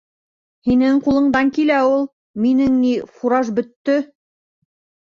- Һинең ҡулыңдан килә ул. Минең ни, фураж бөттө.